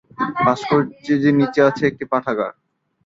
ভাস্কর্যটির নিচে আছে একটি পাঠাগার।